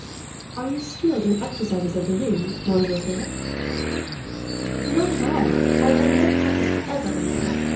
"Are you skilled in the exercises of the ring, Monsieur Philip?" "Not at all. I have had no practise, whatever, in them.